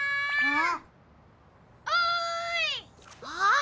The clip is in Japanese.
ん？